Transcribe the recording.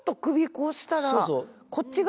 こうしたら。